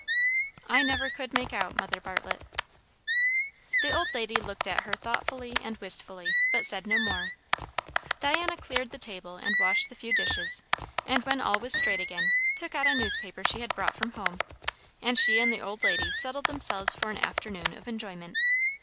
"I never could make out, Mother Bartlett." The old lady looked at her thoughtfully and wistfully, but said no more. Diana cleared the table and washed the few dishes; and when all was straight again, took out a newspaper she had brought from home, and she and the old lady settled themselves for an afternoon of enjoyment.